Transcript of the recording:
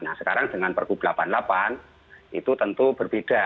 nah sekarang dengan pergub delapan puluh delapan itu tentu berbeda